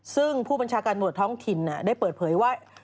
ซึ่งผู้บัญชาการตำรวจท้องถิ่นได้เปิดเผยว่า